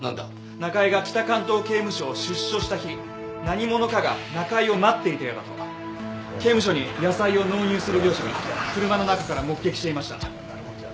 中井が北関東刑務所を出所した日何者かが中井を待っていたようだと刑務所に野菜を納入する業者が車の中から目撃していました